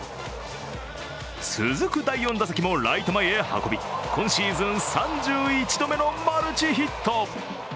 続く第４打席もライト前へ運び今シーズン３１度目のマルチヒット。